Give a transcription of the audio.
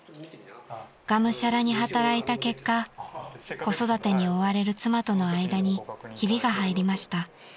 ［がむしゃらに働いた結果子育てに追われる妻との間にひびが入りました］